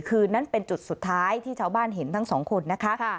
คืนนั้นเป็นจุดสุดท้ายที่ชาวบ้านเห็นทั้งสองคนนะคะ